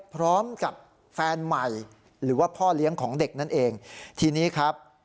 พร้อมกับแฟนใหม่หรือว่าพ่อเลี้ยงของเด็กนั่นเองทีนี้ครับ